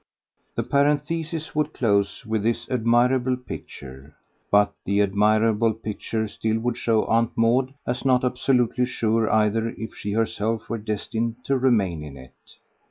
The parenthesis would close with this admirable picture, but the admirable picture still would show Aunt Maud as not absolutely sure either if she herself were destined to remain in it.